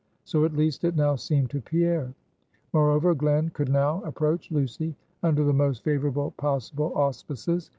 So at least it now seemed to Pierre. Moreover, Glen could now approach Lucy under the most favorable possible auspices.